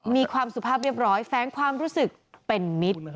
มีความสุภาพเรียบร้อยแฟ้งความรู้สึกเป็นมิตร